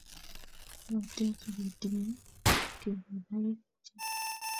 kalabat eng Yu ko uu ngochet be tinye kebebaik chi